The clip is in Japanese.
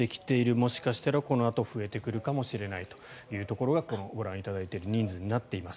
もしかしたらこのあと増えてくるかもしれないというところがこのご覧いただいている人数になっています。